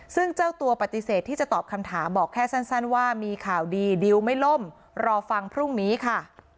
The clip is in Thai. ซึ่งเจ้าตัวปฏิเสธที่จะตอบคำถามบอกแค่สั้นว่ามีข่าวดีดิวไม่ล่มรอฟังพรุ่งนี้ค่ะ